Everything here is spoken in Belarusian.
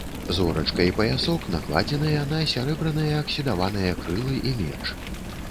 Зорачка і паясок накладзеныя на сярэбраныя аксідаваныя крылы і меч.